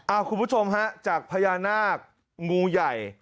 คุณผู้ชมฮะจากพญานาคงูใหญ่